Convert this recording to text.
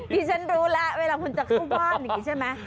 ดิฉันรู้แล้วเวลาคุณจะเข้าบ้านอย่างนี้ใช่ไหม